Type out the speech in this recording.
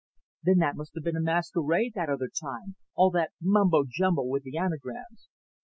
"Then that must have been a masquerade, that other time all that mumbo jumbo with the Anagrams."